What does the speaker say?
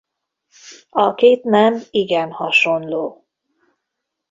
A két nem igen hasonló.